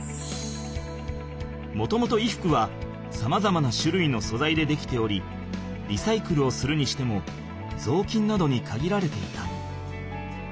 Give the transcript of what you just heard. もともと衣服はさまざまなしゅるいのそざいで出来ておりリサイクルをするにしてもぞうきんなどにかぎられていた。